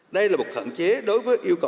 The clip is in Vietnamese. đây là một khẳng chế đối với yêu cầu